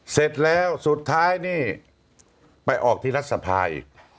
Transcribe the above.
เสร็จแล้วสุดท้ายนี่ไปออกที่รัฐสภาอีก